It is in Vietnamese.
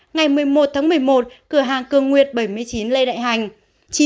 ngày một mươi một tháng một mươi một cửa hàng cường nguyệt bảy mươi chín lê đại hành